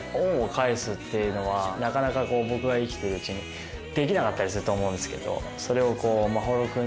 っていうのはなかなか僕が生きてるうちにできなかったりすると思うんですけどそれを。